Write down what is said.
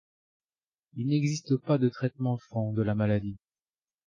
Il n'existe pas de traitement de fond de la maladie.